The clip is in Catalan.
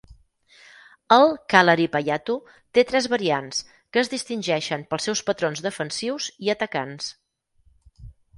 El kalaripayattu té tres variants, que es distingeixen pels seus patrons defensius i atacants.